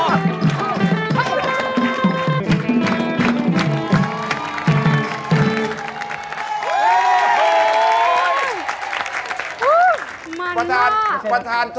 โอ้โห